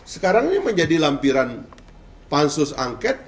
sekarang ini menjadi lampiran pansus angket